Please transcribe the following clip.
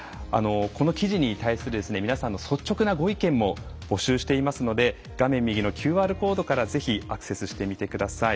この記事に対する皆さんの率直なご意見も募集してますので画面右のＱＲコードからぜひアクセスしてみてください。